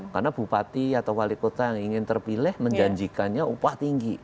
karena bupati atau wali kota yang ingin terpilih menjanjikannya upah tinggi